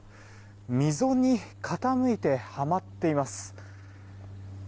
溝に傾いてはまっています。